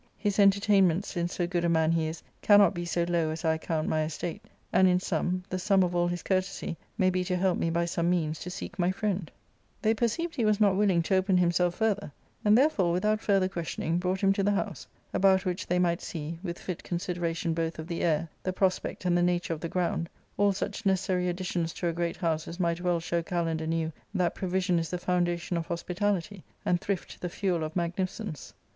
His entertainment, smce so good a man he is, cannot be so low as I account my estate ; and, in sum, the sum of all his courtesy may be to help me by some means to seek my friend." ?{>• i 14 ARCADrA.—Book L They perceived he was not willing to open himself further, and therefore, without further questioning, brought him to the house ; about which they might see (with fit consideration both of the air, the prospect, and the nature of the ground) all such necessary additions to a great house as might well I show Kalander knew that provision is the foundation of hospitality, and thrift the fud, of magnificence.